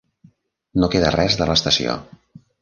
No queda res de l'estació.